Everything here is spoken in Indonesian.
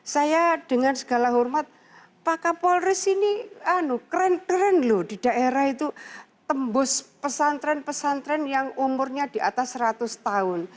saya dengan segala hormat pak kapolris ini keren keren loh di daerah itu tembus pesan tren pesan tren yang umurnya di atas seratus tahun